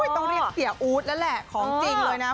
ต้องเรียกเสียอู๊ดแล้วแหละของจริงเลยนะ